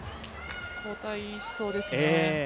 交代しそうですね。